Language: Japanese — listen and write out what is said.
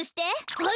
はい。